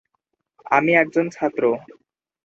আমি একজন ছাত্র।